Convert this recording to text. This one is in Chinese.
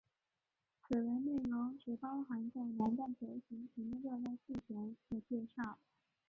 此文内容只包含在南半球形成的热带气旋的介绍。